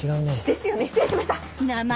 ですよね失礼しました！